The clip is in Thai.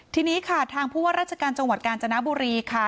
ทีนี้ค่ะทางผู้ว่าราชการจังหวัดกาญจนบุรีค่ะ